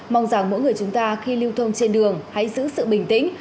mong rằng mỗi người chúng ta khi lưu thông trên đường hãy giữ sự bình tĩnh